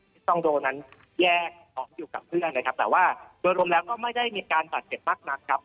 ฟิศสองโดนั้นแยกตรงจบสิ้นกับเพื่อนนะครับแต่ว่าบรรยากาศรนรวมแล้วก็ไม่ได้มีการปรัชญ์เกิดมากนักครับ